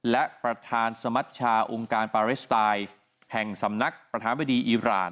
และประธานสมัชชาองค์การปาเลสไตล์แห่งสำนักประธานบดีอีราน